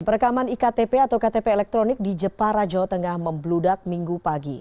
perekaman iktp atau ktp elektronik di jepara jawa tengah membludak minggu pagi